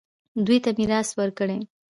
دوی ته میراث ورکړئ